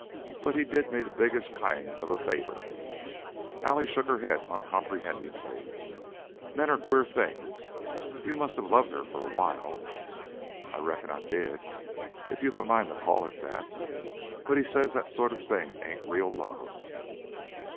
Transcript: But he did me the biggest kind of a favor." Allie shook her head uncomprehendingly. "Men are queer things. You must have loved her, for a while." "I reckon I did, if you're a mind to call it that. But he says that sort of thing ain't real love."